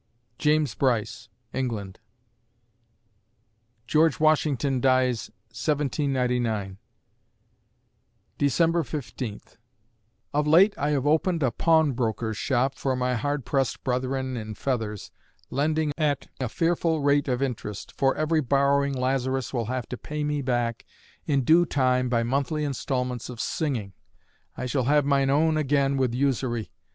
JAMES BRYCE (England) George Washington dies, 1799 December Fifteenth Of late I have opened a pawnbroker's shop for my hard pressed brethren in feathers, lending at a fearful rate of interest; for every borrowing Lazarus will have to pay me back in due time by monthly instalments of singing. I shall have mine own again with usury.